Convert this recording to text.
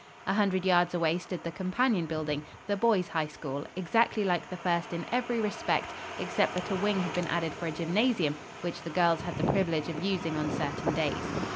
A hundred yards away stood the companion building, the Boys' High School, exactly like the first in every respect except that a wing had been added for a gymnasium which the girls had the privilege of using on certain days.